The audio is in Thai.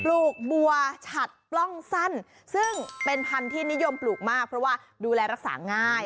ลูกบัวฉัดปล้องสั้นซึ่งเป็นพันธุ์ที่นิยมปลูกมากเพราะว่าดูแลรักษาง่าย